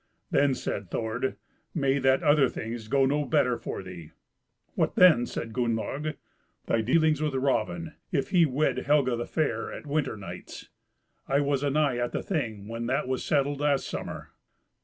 Then said Thord, "Maybe that other things go no better for thee." "What then?" says Gunnlaug. "Thy dealings with Raven, if he wed Helga the Fair at winter nights. I was anigh at the Thing when that was settled last summer."